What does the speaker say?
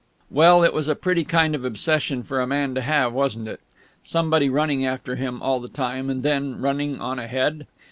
Well, it was a pretty kind of obsession for a man to have, wasn't it? Somebody running after him all the time, and then ... running on ahead?